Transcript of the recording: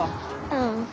うん。